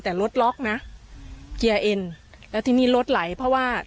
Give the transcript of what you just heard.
แต่รถล็อกนะเกียร์เอ็นแล้วทีนี้รถไหลเพราะว่า